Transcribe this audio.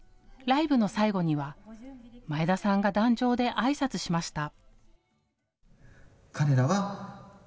ライブの最後には前田さんが壇上であいさつしました。